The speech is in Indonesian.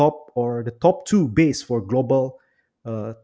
perusahaan ke dua terbaik